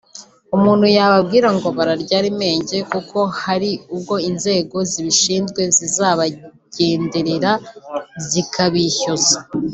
umuntu yababwira ngo bararye ari menge kuko hari ubwo inzego zibishinzwe zizabagenderera zikabishyuza